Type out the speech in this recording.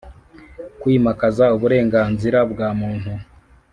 kwimakaza uburenganzira bwa muntu